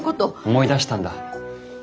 思い出したんだ。